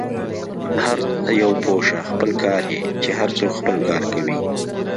هر یو پوه شه، خپل يې کار، چې هر څوک خپل کار کوي.